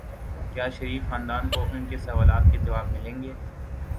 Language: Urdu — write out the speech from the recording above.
کیا شریف خاندان کو ان کے سوالات کے جواب ملیں گے؟